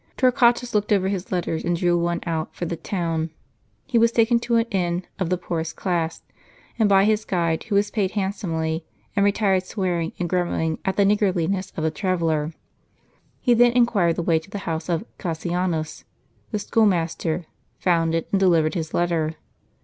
Torquatus looked over his letters, and drew one out for the town. He was taken to a little inn of the poorest class, by his guide, who was paid handsomely, and retired swearing and grumbling at the niggardliness of the traveller. He then inquired the way to the house of Cassianus, the school master, found it, and delivered his letter.